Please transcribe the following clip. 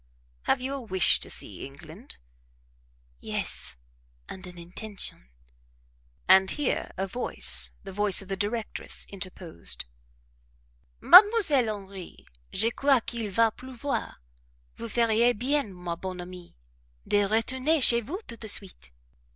"Have you a wish to see England?" "Yes, and an intention." And here a voice, the voice of the directress, interposed: "Mademoiselle Henri, je crois qu'il va pleuvoir; vous feriez bien, ma bonne amie, de retourner chez vous tout de suite."